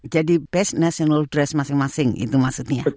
jadi best national dress masing masing itu maksudnya